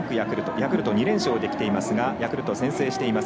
ヤクルト２連勝できていますがヤクルト先制しています。